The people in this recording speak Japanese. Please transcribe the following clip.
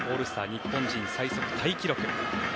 日本人最速タイ記録。